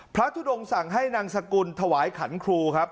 ทุดงสั่งให้นางสกุลถวายขันครูครับ